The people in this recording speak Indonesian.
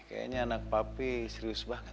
kayaknya anak papi serius banget